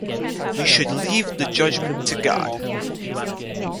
We should leave the judgment to God.